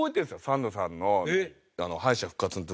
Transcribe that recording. サンドさんの敗者復活の時。